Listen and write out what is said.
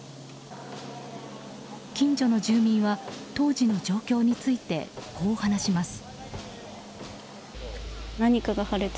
近所の住民は当時の状況についてこう話します。